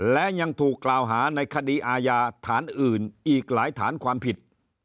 และยังถูกกล่าวหาในคดีอาญาฐานอื่นอีกหลายฐานความผิด